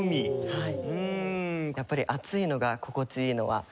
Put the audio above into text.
はい。